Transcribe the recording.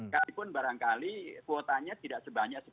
kalaupun barangkali kuotanya tidak sebanyak